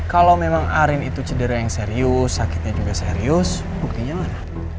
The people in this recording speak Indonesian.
kalau memang arin itu cedera yang serius sakitnya juga serius buktinya mana